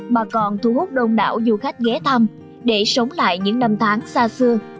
mà còn thu hút đông đảo du khách ghé thăm để sống lại những năm tháng xa xưa